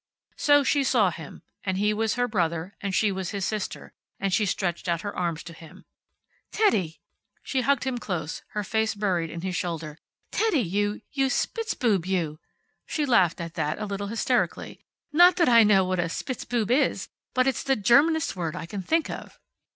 So she saw him, and he was her brother, and she was his sister, and she stretched out her arms to him. "Teddy!" She hugged him close, her face buried in his shoulder. "Teddy, you you Spitzbube you!" She laughed at that, a little hysterically. "Not that I know what a Spitzbube is, but it's the Germanest word I can think of."